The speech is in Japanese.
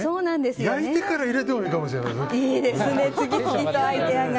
焼いてから入れてもいいかもしれないな。